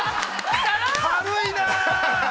◆軽いな。